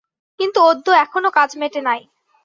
কিন্তু অদ্য এখনও কাজ মেটে নাই।